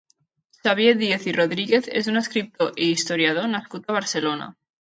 Xavier Diez i Rodríguez és un escriptor i historiador nascut a Barcelona.